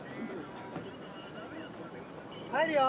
入るよ。